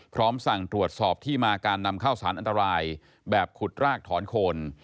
พร้อมสั่งตรวจสอบที่มาการนำเข้าสารอันตรายแบบขุดรากถอนโคน